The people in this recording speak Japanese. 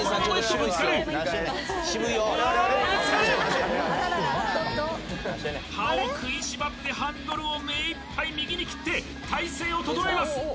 ぶつかる歯を食いしばってハンドルを目いっぱい右に切って体勢を整えます